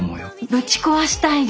ぶち壊したいです。